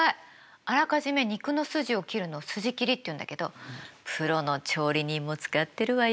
あらかじめ肉の筋を切るのを筋切りっていうんだけどプロの調理人も使ってるわよ。